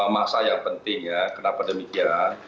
masa yang penting ya kenapa demikian